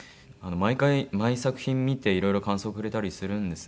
毎回毎作品見ていろいろ感想くれたりするんですね。